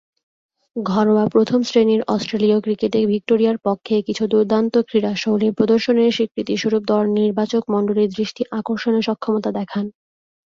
ঘরোয়া প্রথম-শ্রেণীর অস্ট্রেলীয় ক্রিকেটে ভিক্টোরিয়ার পক্ষে কিছু দূর্দান্ত ক্রীড়াশৈলী প্রদর্শনের স্বীকৃতিস্বরূপ দল নির্বাচকমণ্ডলীর দৃষ্টি আকর্ষণে সক্ষমতা দেখান।